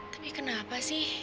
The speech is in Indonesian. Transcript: tapi kenapa sih